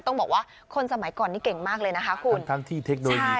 ต้องบอกว่าคนสมัยก่อนนี้เก่งมากเลยนะคะคุณทั้งที่เทคโนโลยี